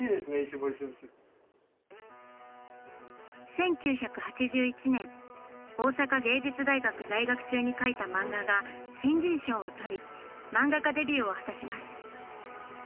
１９８１年大阪芸術大学在学中に描いた漫画が新人賞を取り漫画家デビューを果たします。